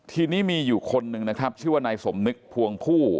ทีนี้มีอยู่คนหนึ่งนะครับชื่อว่านายสมนึกพวงผู้